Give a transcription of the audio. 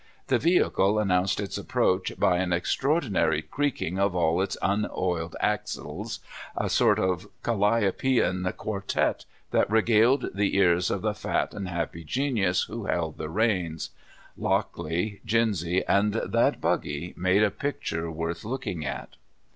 The vehicle announced its approach by an extraordinary creaking of all its unoiled axles, a sort of calliopean quartet that re galed the ears of the fat and happy genius who held the reins. Lockley, Gins}^ and that buggy made a picture worth looking at.